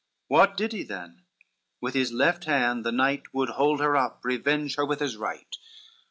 What did he then? with his left hand the knight Would hold her up, revenge her with his right.